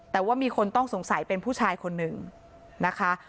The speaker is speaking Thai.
แต่ว่ามีคนต้องสงสัยเป็นผู้ชายคนหนึ่งนะคะ